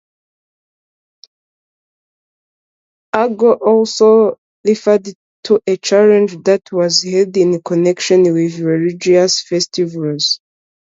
Agon also referred to a challenge that was held in connection with religious festivals.